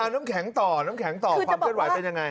น้ำแข็งต่อความเจ็บไหวเป็นยังไง